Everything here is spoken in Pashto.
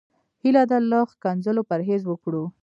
هيله ده له ښکنځلو پرهېز وکړو.